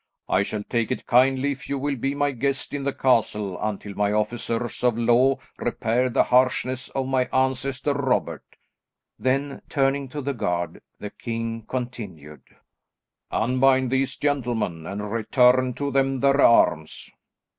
I shall take it kindly if you will be my guests in the castle until my officers of law repair the harshness of my ancestor, Robert." Then, turning to the guard the king continued, "Unbind these gentlemen, and return to them their arms."